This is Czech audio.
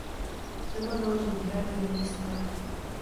Doba založení hradu je nejistá.